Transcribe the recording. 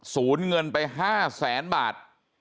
ศูนย์เงินไป๕แสนบาท